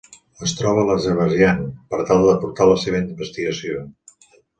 Es troba a l'Azerbaidjan per tal de portar la seva investigació.